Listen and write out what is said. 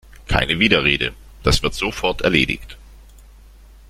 Keine Widerrede, das wird sofort erledigt!